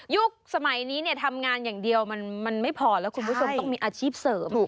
สมัยนี้ทำงานอย่างเดียวมันไม่พอแล้วคุณผู้ชมต้องมีอาชีพเสริม